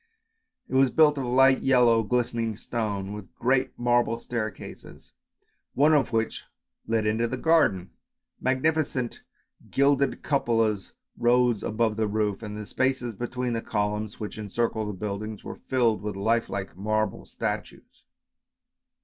It was built of light yellow glistening stone, with great marble staircases, one of which led into the garden. Magni ficent gilded cupolas rose above the roof, and the spaces between the columns which encircled the building were filled with life like marble statues.